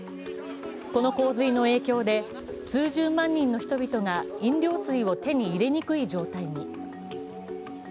この洪水の影響で数十万人の人々が飲料水を手に入れにくい状態に。